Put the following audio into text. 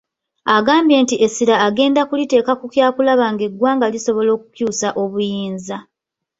Agambye nti essira agenda kuliteeka ku kyakulaba ng'eggwanga lisobola okukyusa obuyinza.